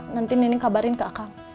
nanti neneng kabarin ke akang